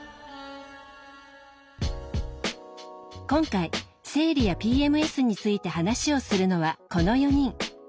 今回生理やＰＭＳについて話をするのはこの４人。